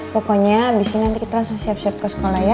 pokoknya abis ini nanti kita langsung siap siap ke sekolah ya